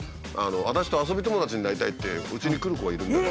私と遊び友達になりたいってうちに来る子がいるんだよ。